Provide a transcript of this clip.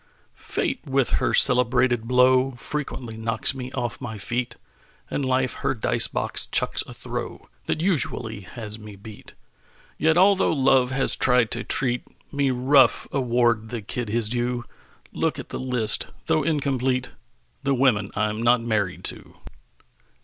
Fate with her celebrated blow Frequently knocks me off my feet; And Life her dice box chucks a throw That usually has me beat. Yet although Love has tried to treat Me rough, award the kid his due. Look at the list, though incomplete: The women I'm not married to.